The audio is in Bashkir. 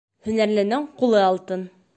Һөнәрленең ҡулы алтын